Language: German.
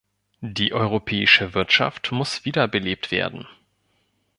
Die europäische Wirtschaft muss wiederbelebt werden.